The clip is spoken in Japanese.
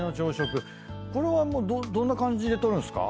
これはどんな感じで取るんすか？